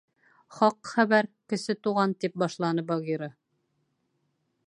— Хаҡ хәбәр, Кесе Туған, — тип башланы Багира.